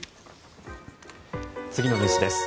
次のニュースです。